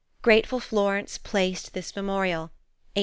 "Grateful Florence placed this memorial, 1861_."